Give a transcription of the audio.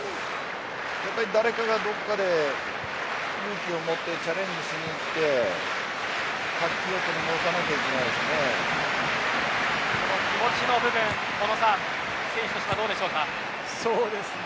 誰かがどこかで勇気を持ってチャレンジしに行って活気を取り戻さなきゃ気持ちの部分、小野さん選手としてはどうでしょうか。